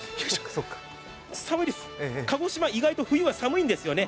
鹿児島、意外と冬は寒いんですよね